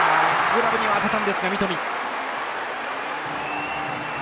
グラブには当てたんですが、三富。